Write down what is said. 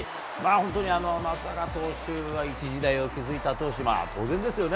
本当に松坂投手は一時代を築いた投手で当然ですよね。